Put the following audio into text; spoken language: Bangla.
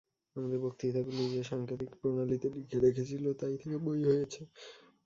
আমার বক্তৃতাগুলি সে সাঙ্কেতিক প্রণালীতে লিখে রেখেছিল, তাই থেকে বই হয়েছে।